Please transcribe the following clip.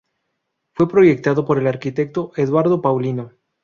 Fue proyectado por el arquitecto Eduardo Paulino.